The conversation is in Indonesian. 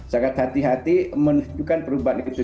sangat hati hati menunjukkan perubahan itu